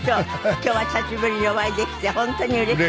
今日は久しぶりにお会いできて本当にうれしかった。